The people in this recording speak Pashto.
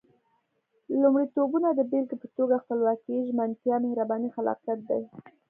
لومړيتوبونه د بېلګې په توګه خپلواکي، ژمنتيا، مهرباني، خلاقيت دي.